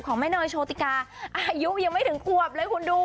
แม่เนยโชติกาอายุยังไม่ถึงควบเลยคุณดู